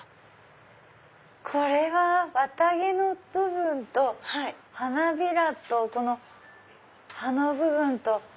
これは綿毛の部分と花びらと葉の部分と。